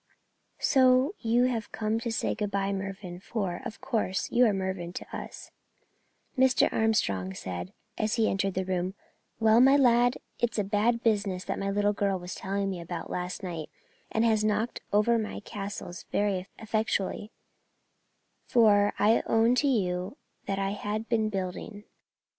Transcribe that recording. "So you have come to say good bye, Mervyn for, of course, you are Mervyn to us," Mr. Armstrong said, as he entered the room, "Well, my lad, it's a bad business that my little girl was telling me about last night, and has knocked over my castles very effectually, for I own to you that I have been building.